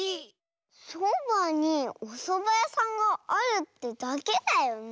そばにおそばやさんがあるってだけだよね？